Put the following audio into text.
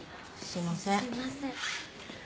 すいません。